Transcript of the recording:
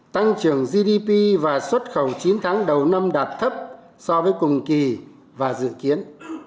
tăng trưởng gdp và xuất khẩu chín tháng đầu năm đạt thấp so với cùng kỳ và dự kiến